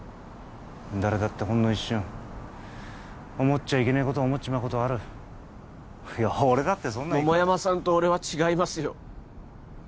誰だってほんの一瞬思っちゃいけねえことを思っちまうことはある俺だってそんなの桃山さんと俺は違いますよ